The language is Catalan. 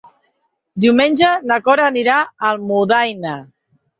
Diumenge na Cora anirà a Almudaina.